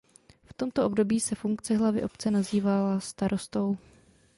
V tomto období se funkce hlavy obce nazývala starostou.